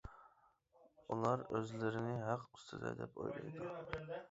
ئۇلار ئۆزلىرىنى ھەق ئۈستىدە، دەپ ئويلايدۇ.